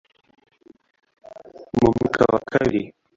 Mu mwaka wa kabirir